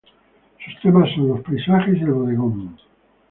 Sus temas son los paisajes y el bodegón.